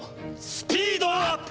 スピードアップ！